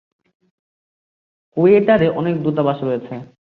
কোয়েটারে অনেক দূতাবাস রয়েছে।